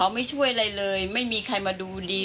ไม่ช่วยอะไรเลยไม่มีใครมาดูดี